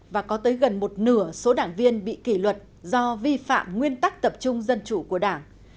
và có tới gần một nửa số đảng viên bị kỷ luật do vi phạm nguyên tắc tập trung dân chủ của đảng